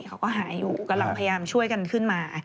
เขาก็หายอยู่กำลังพยายามช่วยกันขึ้นมา